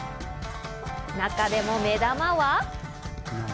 中でも目玉は。